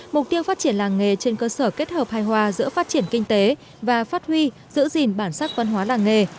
mục tiêu phát triển làng nghề trên cơ sở kết hợp hài hòa giữa phát triển kinh tế và phát huy giữ gìn bản sắc văn hóa làng nghề